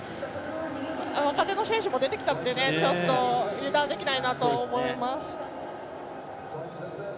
若手の選手も出てきたので油断できないなと思います。